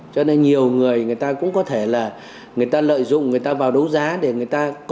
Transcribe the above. cho nên nhiều người người ta cũng có thể là người ta lợi dụng người ta vào đấu giá